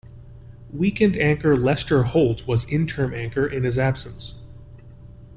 Weekend anchor Lester Holt was interim anchor in his absence.